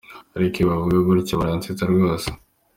Ariko iyo bavuga gutyo baransetsa rwose.